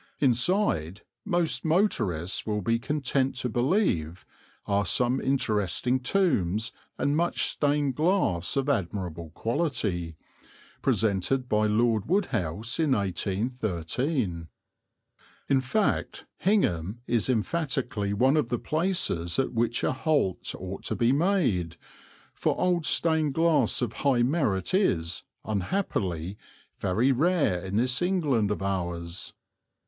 Inside, most motorists will be content to believe, are some interesting tombs and much stained glass of admirable quality, presented by Lord Wodehouse in 1813. In fact, Hingham is emphatically one of the places at which a halt ought to be made, for old stained glass of high merit is, unhappily, very rare in this England of ours.